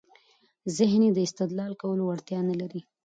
ذهن يې د استدلال کولو وړتیا نلري.